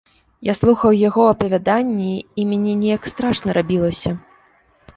Я слухаў яго апавяданні, і мне неяк страшна рабілася.